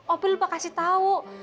opie lupa kasih tahu